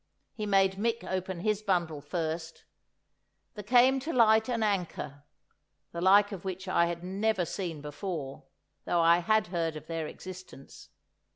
He made Mick open his bundle first. There came to light an anchor, the like of which I had never seen before, though I had heard of their existence.